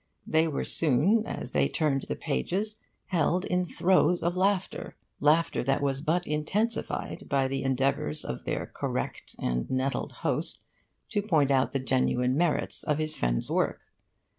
They were soon, as they turned the pages, held in throes of laughter, laughter that was but intensified by the endeavours of their correct and nettled host to point out the genuine merits of his friend's work.